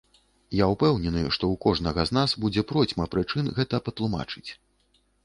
Я ўпэўнены, што ў кожнага з нас будзе процьма прычын гэта патлумачыць.